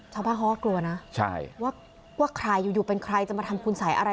ชาวบ้านเขาก็กลัวนะว่าใครอยู่เป็นใครจะมาทำคุณสัยอะไร